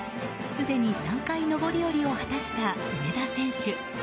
すでに３回上り下りを果たした上田選手。